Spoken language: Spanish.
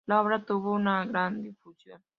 La obra tuvo una gran difusión.